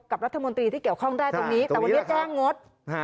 กับรัฐมนตรีที่เกี่ยวข้องได้ตรงนี้แต่วันนี้แจ้งงด